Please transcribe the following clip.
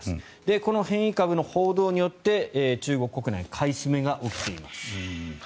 この変異株の報道によって中国国内で買い占めが起きています。